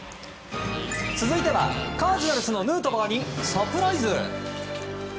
続いてはカージナルスのヌートバーにサプライズ。